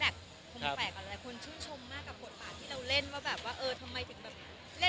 คุณชื่นชมมากกับโหดป่าที่เราเล่น